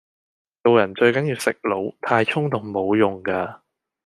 做人最緊要食腦，太衝動無用架